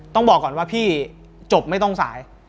ต้องบอกก่อนว่าพี่จบไม่ต้องสาย